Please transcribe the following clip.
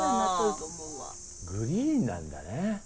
グリーンなんだね。